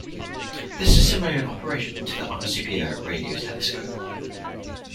This is similar in operation to the Arecibo Radio Telescope.